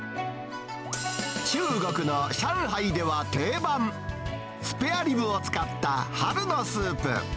中国の上海では定番、スペアリブを使った春のスープ。